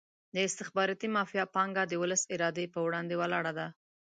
د استخباراتي مافیا پانګه د ولس ارادې په وړاندې ولاړه ده.